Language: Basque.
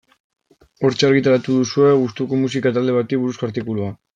Hortxe argitaratu duzue gustuko musika talde bati buruzko artikulua.